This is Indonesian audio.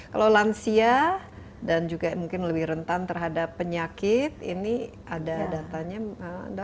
kalau lansia dan juga mungkin lebih rentan terhadap penyakit ini ada datanya